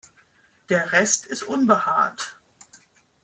Der Rest ist unbehaart.